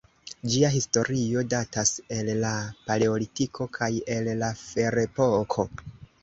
Ĝia historio datas el la Paleolitiko kaj el la Ferepoko.